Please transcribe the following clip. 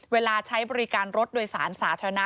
เวลาใช้บริการรถโดยสารสาธารณะ